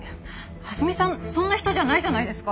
蓮見さんそんな人じゃないじゃないですか！